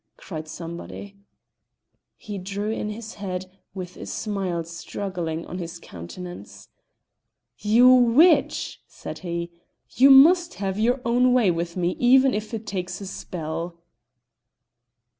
cried somebody. He drew in his head, with a smile struggling on his countenance. "You witch!" said he, "you must have your own way with me, even if it takes a spell!"